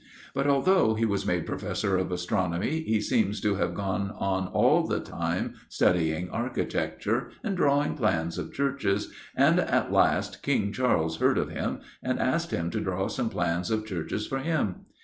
But although he was made Professor of Astronomy, he seems to have gone on all the time studying architecture, and drawing plans of churches, and at last King Charles heard of him, and asked him to draw some plans of churches for him.